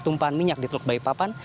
tumpahan minyak di teluk balikpapan